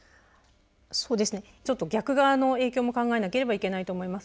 そうですねちょっと逆側の影響も考えなければいけないと思います。